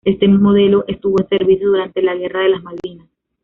Este modelo estuvo en servicio durante la Guerra de las Malvinas.